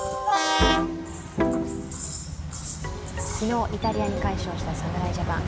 昨日、イタリアに快勝した侍ジャパン。